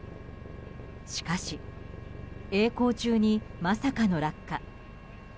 しかし、えい航中にまさかの落下。